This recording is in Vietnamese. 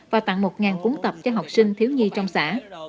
và tặng một cuốn tập cho học sinh thiếu nhi trong xã